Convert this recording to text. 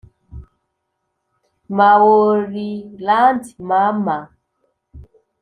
maoriland, mama!